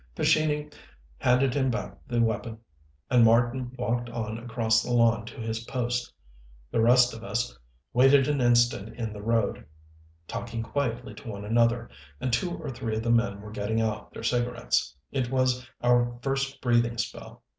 Pescini handed him back the weapon, and Marten walked on across the lawn to his post. The rest of us waited an instant in the road, talking quietly to one another, and two or three of the men were getting out their cigarettes. It was our first breathing spell.